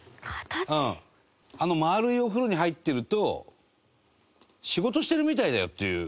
あの丸いお風呂に入ってると仕事してるみたいだよっていう事なんですよ。